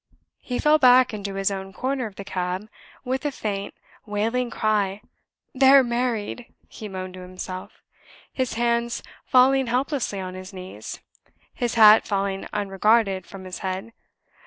He fell back into his own corner of the cab, with a faint, wailing cry. "They're married," he moaned to himself; his hands falling helplessly on his knees; his hat falling unregarded from his head.